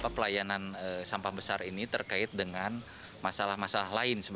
pelayanan sampah besar ini terkait dengan masalah masalah lain